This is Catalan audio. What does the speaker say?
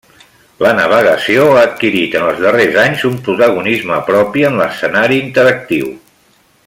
La navegació ha adquirit en els darrers anys un protagonisme propi en l’escenari interactiu.